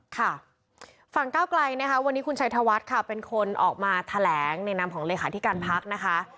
ค่ะฝั่งก้าวไกลนะคะวันนี้คุณชัยธวัฒน์ค่ะเป็นคนออกมาแถลงในนามของเลขาธิการพักนะคะ